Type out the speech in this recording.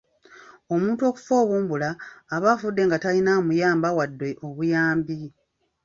Omuntu okufa obumbula aba afudde nga talina amuyamba wadde obuyambi.